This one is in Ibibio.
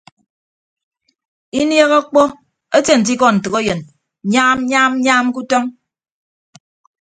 Inieehe ọkpọ etie nte ikọ ntәkeyịn nyaam nyaam nyaam ke utọñ.